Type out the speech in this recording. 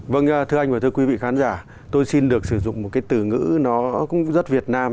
vâng thưa anh và thưa quý vị khán giả tôi xin được sử dụng một cái từ ngữ nó cũng rất việt nam